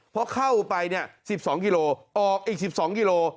เพราะเข้าไปเนี่ยสิบสองกิโลออกอีกสิบสองกิโล